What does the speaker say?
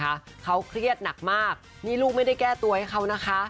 เขาเครียดหนักมากนี่ลูกไม่ได้แก้ตัวให้เขานะคะ